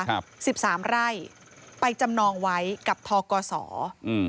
ครับสิบสามไร่ไปจำนองไว้กับทกศอืม